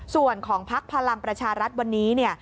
ส่วนของพักพลังประชารัฐวันนี้เนี่ย